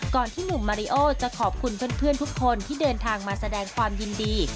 ที่หนุ่มมาริโอจะขอบคุณเพื่อนทุกคนที่เดินทางมาแสดงความยินดี